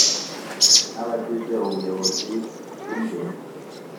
n abagize ubuyobozi b ingenzi